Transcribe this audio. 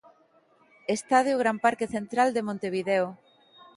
Estadio Gran Parque Central de Montevideo.